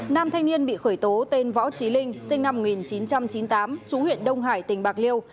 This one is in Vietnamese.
nam thanh niên bị khởi tố tên võ trí linh sinh năm một nghìn chín trăm chín mươi tám chú huyện đông hải tỉnh bạc liêu